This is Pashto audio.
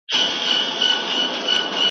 ښوونکی زدهکوونکي د مثبت بدلون لور ته رهبري کوي.